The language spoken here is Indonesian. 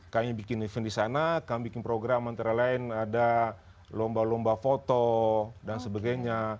kami bikin event di sana kami bikin program antara lain ada lomba lomba foto dan sebagainya